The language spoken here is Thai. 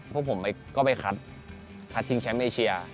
พวกผมก็คลัดถึงแชมป์เมื่อเชีย